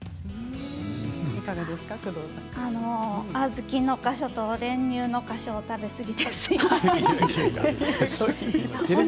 小豆の箇所と練乳の箇所を食べ過ぎてすみません。